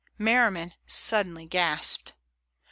Merriman suddenly gasped.